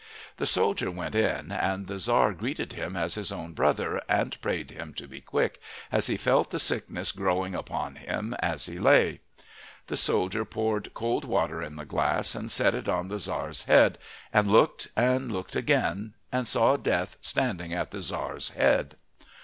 The soldier went in, and the Tzar greeted him as his own brother, and prayed him to be quick, as he felt the sickness growing upon him as he lay. The soldier poured cold water in the glass, and set it on the Tzar's forehead, and looked and looked again, and saw Death standing at the Tzar's head.